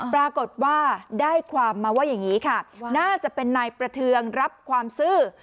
ปรากฏว่าได้ความมาว่าอย่างนี้ค่ะน่าจะเป็นนายประเทืองรับความซื่อ